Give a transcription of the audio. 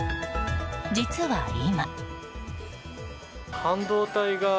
実は今。